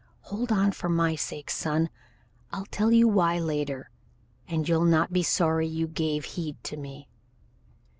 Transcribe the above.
Hold on for my sake, son. I'll tell you why later, and you'll not be sorry you gave heed to me."